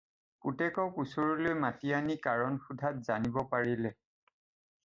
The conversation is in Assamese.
পুতেকক ওচৰলৈ মাতি আনি কাৰণ সোধাত জানিব পাৰিলে